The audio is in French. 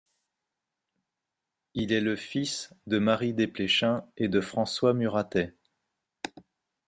Il est le fils de Marie Desplechin et de François Muratet.